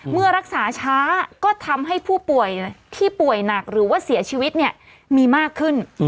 เมื่อรักษาช้าก็ทำให้ผู้ป่วยที่ป่วยหนักหรือว่าเสียชีวิตเนี่ยมีมากขึ้น